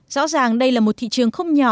rõ ràng đây là một thị trường không nhỏ